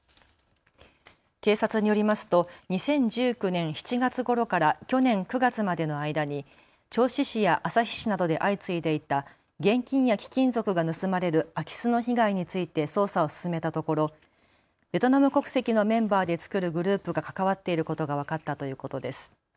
警察によりますと２０１９年７月ごろから去年９月までの間に銚子市や旭市などで相次いでいた現金や貴金属が盗まれる空き巣の被害について捜査を進めたところベトナム国籍のメンバーで作るグループが関わっていることが分かったということです。